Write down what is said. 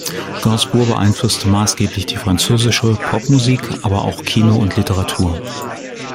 Gainsbourg beeinflusste maßgeblich die französische Popmusik, aber auch Kino und Literatur.